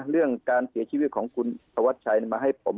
เรื่องการเสียชีวิตของคุณธวัชชัยมาให้ผม